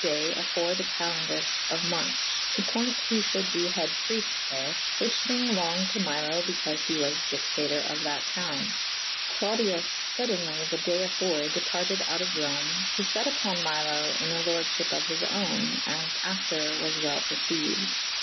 day afore the kalendes of Marche / to poynte who fhuld be hed prefte there / whiche thyng longed to Milo becaufe he was dictatour of that towne : Clodiz^j fodaynely the day afore departed out of Rome to let vpon Milo in a lordefhyp of his owne/ as after was wel p^rceyued.